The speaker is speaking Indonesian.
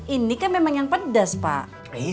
ini kan memang yang pedas pak